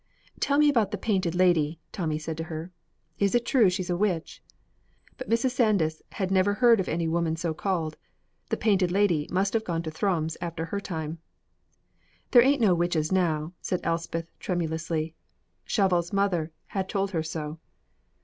"Tell me about the Painted Lady," Tommy said to her. "Is it true she's a witch?" But Mrs. Sandys had never heard of any woman so called: the Painted Lady must have gone to Thrums after her time. "There ain't no witches now," said Elspeth tremulously; Shovel's mother had told her so.